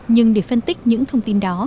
nhưng để phân tích những thông tin đó